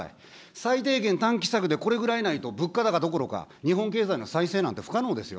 最低限、短期策でこれぐらいないと、物価高どころか、日本経済の再生なんて不可能ですよ。